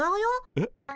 えっ？